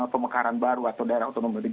pemekanan baru atau daerah otomotif